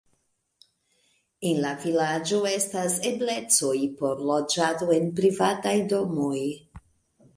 En la vilaĝo estas eblecoj por loĝado en privataj domoj.